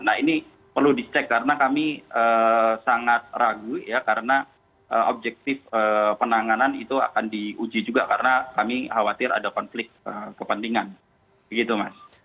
nah ini perlu dicek karena kami sangat ragu ya karena objektif penanganan itu akan diuji juga karena kami khawatir ada konflik kepentingan begitu mas